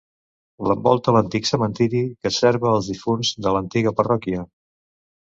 L'envolta l'antic cementiri que serva els difunts de l'antiga parròquia.